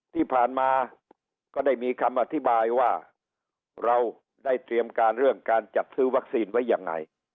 ที่ผ่านมาก็ได้มีคำอธิบายว่าเราได้เตรียมการเรื่องการจัดซื้อวัคซีนไว้ยังไง